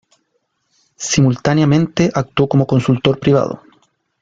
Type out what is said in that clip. Simultáneamente actuó como consultor privado.